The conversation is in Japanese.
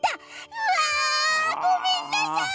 うわごめんなさい！